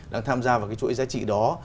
đang tham gia vào cái chuỗi giá trị đó